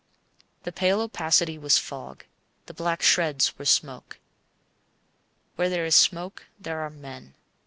The pale opacity was fog, the black shreds were smoke. Where there is smoke there are men.